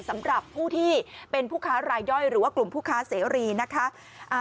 สำหรับผู้ที่เป็นผู้ค้ารายย่อยหรือว่ากลุ่มผู้ค้าเสรีนะคะ